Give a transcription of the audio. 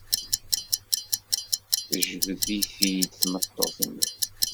Tejbed-it-id tmeṭṭut-nni.